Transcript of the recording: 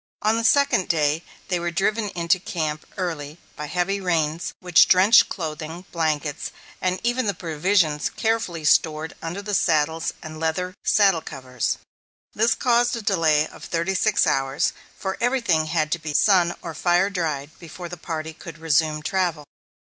On the second day they were driven into camp early by heavy rains which drenched clothing, blankets, and even the provisions carefully stored under the saddles and leather saddle covers. This caused a delay of thirty six hours, for everything had to be sun or fire dried before the party could resume travel.